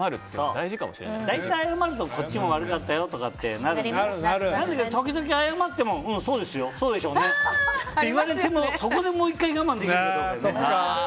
大体謝ると、こっちも悪かったよってなるけど時々、謝ってもそうでしょうねって言われてもそこでもう１回我慢できるかどうか。